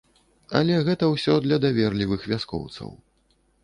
Але гэта ўсё для даверлівых вяскоўцаў.